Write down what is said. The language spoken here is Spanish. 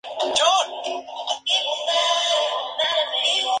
Su educación secundaria la realizó en Lima, en el Colegio Santa María.